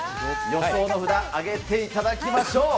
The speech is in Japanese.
予想の札、上げていただきましょう。